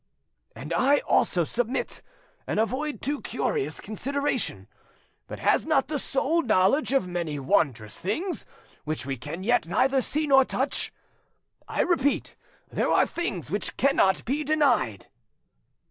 '" "And I also submit, and avoid too curious consideration. But has not the soul knowledge of many wondrous things which we can yet neither see nor touch? I repeat, there are things which cannot be denied."